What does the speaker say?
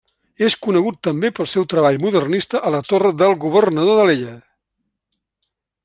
És conegut també pel seu treball modernista a la Torre del Governador d'Alella.